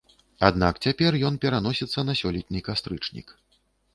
Аднак цяпер ён пераносіцца на сёлетні кастрычнік.